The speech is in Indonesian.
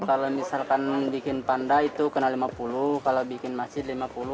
kalau misalkan bikin panda itu kena lima puluh kalau bikin masjid lima puluh